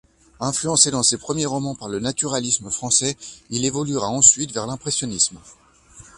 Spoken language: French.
Influencé dans ses premiers romans par le naturalisme français, il évoluera ensuite vers l'impressionnisme.